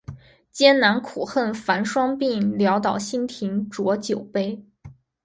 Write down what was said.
艰难苦恨繁霜鬓，潦倒新停浊酒杯